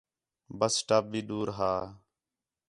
بس سٹاپ بھی دور ہا